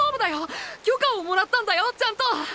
許可をもらったんだよちゃんと！！